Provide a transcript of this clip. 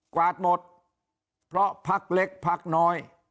กวาดหมดเพราะพักเล็กพักน้อย